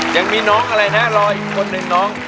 ยังมีน้องอะไรนะรออีกคนหนึ่งน้อง